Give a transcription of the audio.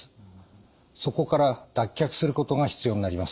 そこから脱却することが必要になります。